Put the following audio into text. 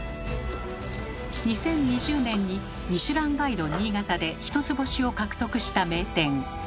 ２０２０年に「ミシュランガイド新潟」で一つ星を獲得した名店。